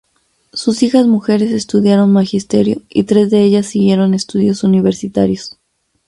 Sus hijas mujeres estudiaron magisterio y tres de ellas siguieron estudios universitarios.